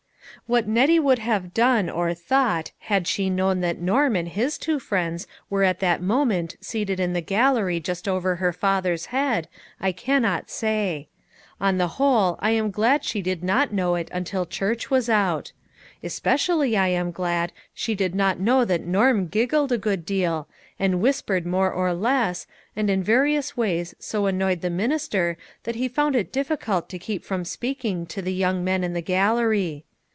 What Nettie would have done or thought had she known that Norm and two friends were at that moment seated in the gallery just over her father's head, I cannot say. On the whole, I am glad she did not know it until church was out. Especially I am glad she did not know that Norm giggled a good deal, and whispered more or less, and in various ways so annoyed the minister that he found it difficult to keep from speaking to the young men in the gallery.